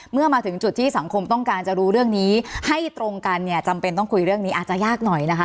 เมื่อมาถึงจุดที่สังคมต้องการจะรู้เรื่องนี้ให้ตรงกันเนี่ยจำเป็นต้องคุยเรื่องนี้อาจจะยากหน่อยนะคะ